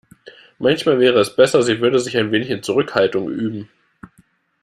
Manchmal wäre es besser, sie würde sich ein wenig in Zurückhaltung üben.